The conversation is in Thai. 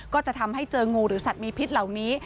ก็จะทำให้เจองูหรือสัตว์มีพิษเหล่านี้